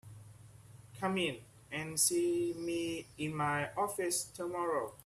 Come in and see me in my office tomorrow.